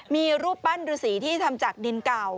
มีรูปปั้นฤษีที่ทำจากดินเก่า